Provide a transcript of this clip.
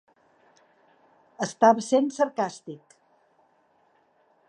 Estava sent sarcàstic.